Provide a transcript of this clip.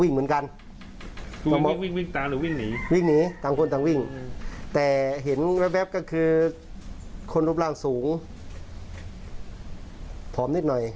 เห็นแบบก็คือคนรูปร่างสูงผอมนิดหน่อย